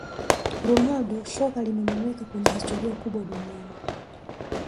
ronaldo soka limemuweka kwenye historia kubwa duniani